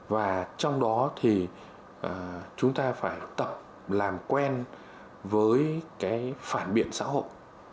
và trong đó thì chúng ta phải tập làm quen với cái phản biện xã hội